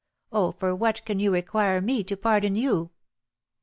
Oh, for what can you require me to pardon you?"